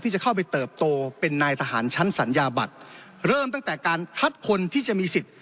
จะเข้าไปเติบโตเป็นนายทหารชั้นสัญญาบัตรเริ่มตั้งแต่การคัดคนที่จะมีสิทธิ์